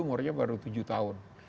umurnya baru tujuh tahun